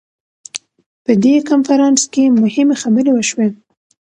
په دې کنفرانس کې مهمې خبرې وشوې.